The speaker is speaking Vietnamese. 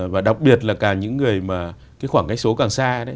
và đặc biệt là cả những người mà cái khoảng cách số càng xa đấy